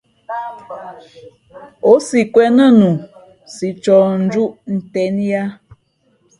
O si kwēn nά nu si ncohsi njūʼ nten yāā.